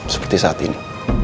seperti saat ini